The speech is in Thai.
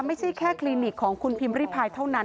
ไม่ใช่แค่คลินิกของคุณพิมพ์ริพายเท่านั้น